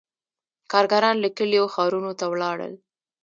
• کارګران له کلیو ښارونو ته ولاړل.